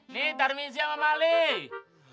nih tarmisi sama malik